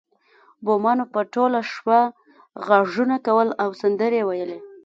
بومانو به ټوله شپه غږونه کول او سندرې ویلې